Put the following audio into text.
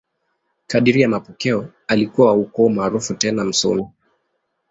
Kadiri ya mapokeo, alikuwa wa ukoo maarufu tena msomi.